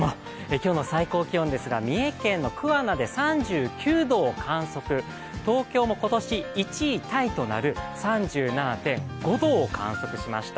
今日の最高気温ですが三重県の桑名で３９度を観測東京も今年１位タイとなる３７．５度を観測しました。